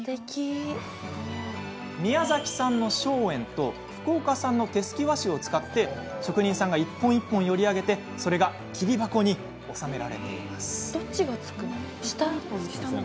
宮崎産の松煙と福岡産の手すき和紙を使って職人さんが一本一本より上げてそれが桐箱に収められています。